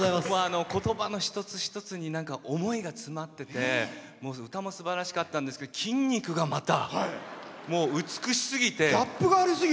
ことばの一つ一つに思いが詰まってて歌もすばらしかったんですけど筋肉が、また美しすぎて。